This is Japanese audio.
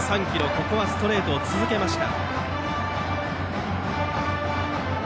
ここはストレートを続けました。